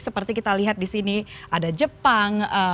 seperti kita lihat disini ada jepang